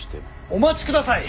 お待ちください。